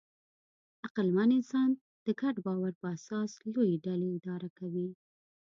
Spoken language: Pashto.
عقلمن انسان د ګډ باور په اساس لویې ډلې اداره کوي.